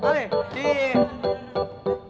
pilih yang kuat pilih yang kuat